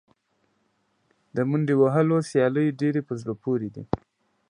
د منډې وهلو سیالۍ ډېرې په زړه پورې دي.